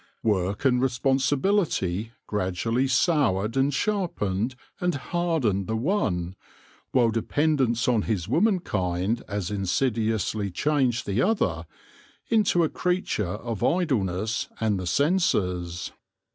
Work and responsibility gradually soured and sharp ened and hardened the one, while dependence on his womankind as insidiously changed the other into a creature of idleness and the senses.